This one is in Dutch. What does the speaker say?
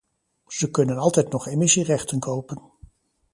Ze kunnen altijd nog emissierechten kopen.